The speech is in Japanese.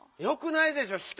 よくないでしょ！